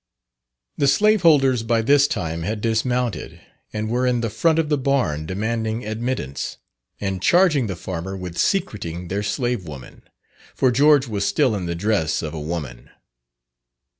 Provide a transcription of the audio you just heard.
The slaveholders by this time had dismounted, and were in the front of the barn demanding admittance, and charging the farmer with secreting their slave woman, for George was still in the dress of a woman.